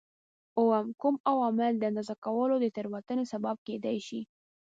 اووم: کوم عوامل د اندازه کولو د تېروتنې سبب کېدای شي؟